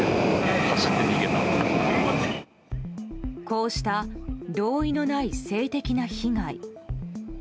こうした同意のない性的な被害。